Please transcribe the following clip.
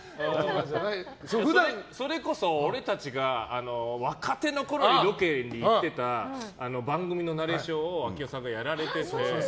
それこそ、俺たちが若手のころにロケに行ってた番組のナレーションを明夫さんがやられてて。